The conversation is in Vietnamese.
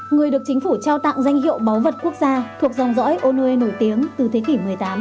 người được chính phủ trao tặng danh hiệu báu vật quốc gia thuộc dòng giỏi unuel nổi tiếng từ thế kỷ một mươi tám